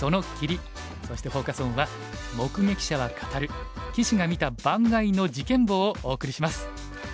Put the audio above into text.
そしてフォーカス・オンは「目撃者は語る棋士が見た盤外の事件簿」をお送りします。